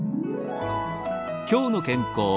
「きょうの健康」。